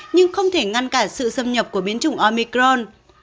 nhưng không thể ngăn cản sự xâm nhập của biến chủng omicron